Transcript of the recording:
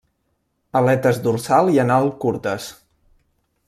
Aletes dorsal i anal curtes.